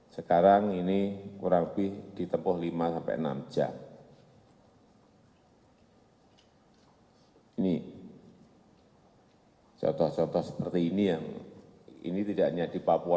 yang belum tercatat tadi mana